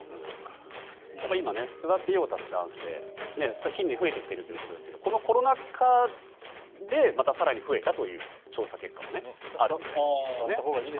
やっぱり今座って用を足す男性が近年、増えてきているということですがこのコロナ禍でまた増えたという調査結果もあるみたいです。